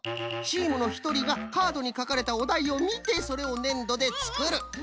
チームのひとりがカードにかかれたおだいをみてそれをねんどでつくる。